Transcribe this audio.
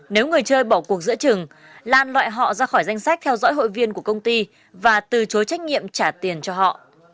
nếu người chơi bỏ cuộc giữa trường lan loại họ ra khỏi danh sách theo dõi hội viên của công ty và từ chối trách nhiệm trả tiền cho họ